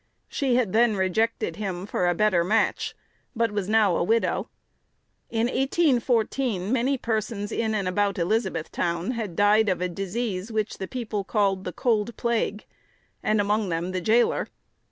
She had then rejected him for a better match, but was now a widow. In 1814 many persons in and about Elizabethtown had died of a disease which the people called the "cold plague," and among them the jailer.